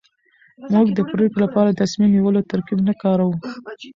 موږ د پرېکړې لپاره د تصميم نيولو ترکيب نه کاروو.